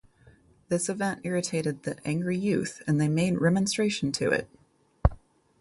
This event irritated the "angry youth" and they made remonstration to it.